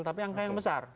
tapi angka yang besar